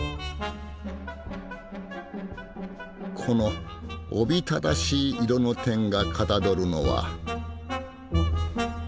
このおびただしい色の点がかたどるのは。